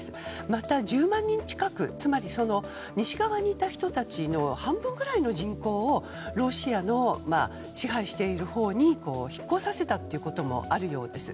また、１０万人近く西側にいた人たちの半分くらいの人口をロシアの支配しているほうに引っ越させたということもあるようです。